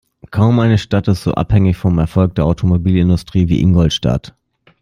Kaum eine Stadt ist so abhängig vom Erfolg der Automobilindustrie wie Ingolstadt.